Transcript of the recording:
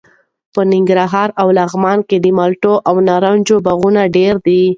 په ننګرهار او لغمان کې د مالټو او نارنجو باغونه ډېر دي.